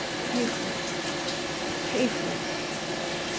pay for it pay for it.